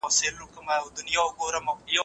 قدیر